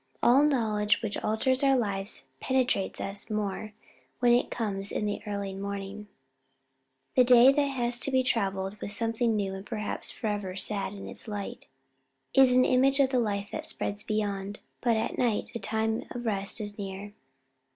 All knowledge which alters our lives penetrates us more when it comes in the early morning: the day that has to be travelled with something new and perhaps forever sad in its light, is an image of the life that spreads beyond. But at night the time of rest is near.